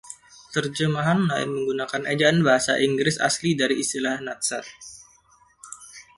Terjemahan lain menggunakan ejaan bahasa Inggris asli dari istilah Nadsat.